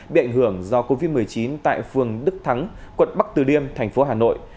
bị ảnh hưởng do covid một mươi chín tại phường đức thắng quận bắc từ liêm thành phố hà nội